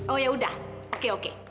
oh yaudah oke oke